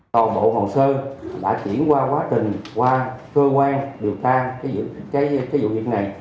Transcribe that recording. tổng bộ hồn sơ đã chuyển qua quá trình qua cơ quan điều tra cái vụ việc này